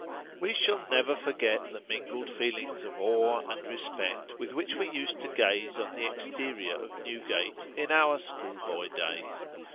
WE shall never forget the mingled feelings of awe and respect with which we used to gaze on the exterior of Newgate in our schoolboy days.